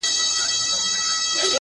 خو ماته دي سي؛ خپل ساقي جانان مبارک؛